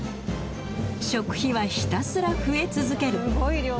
食費はひたすら増え続ける。